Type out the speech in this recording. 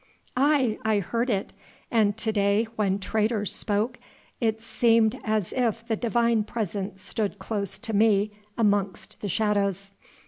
"Aye! I heard it. And to day when traitors spoke, it seemed as if the Divine Presence stood close to me amongst the shadows.